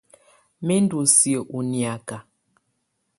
Mɛ̀ ndù siǝ́ ù niaka.